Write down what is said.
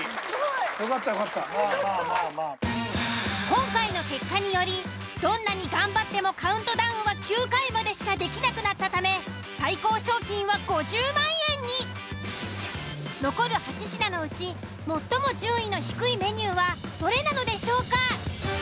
今回の結果によりどんなに頑張ってもカウントダウンは９回までしかできなくなったため残る８品のうち最も順位の低いメニューはどれなのでしょうか？